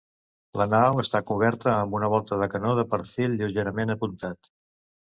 La nau està coberta amb una volta de canó de perfil lleugerament apuntat.